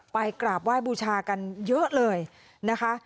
กราบไหว้บูชากันเยอะเลยนะคะ